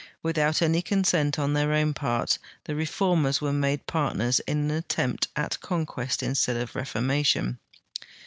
Without any consent on their own part, the reformers were made partners in an atteinjit at conquest instead of reformation.